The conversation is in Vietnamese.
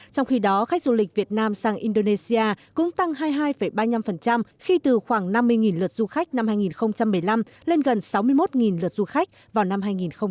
trong khi đó khách du lịch việt nam sang indonesia cũng tăng hai mươi hai ba mươi năm khi từ khoảng năm mươi lượt du khách năm hai nghìn một mươi năm lên gần sáu mươi một lượt du khách vào năm hai nghìn một mươi tám